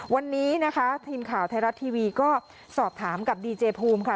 วันนี้นะคะทีมข่าวไทยรัฐทีวีก็สอบถามกับดีเจภูมิค่ะ